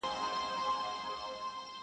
• خدایه مینه د قلم ور کړې په زړو کي ,